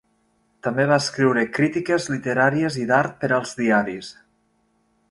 També va escriure crítiques literàries i d'art per als diaris.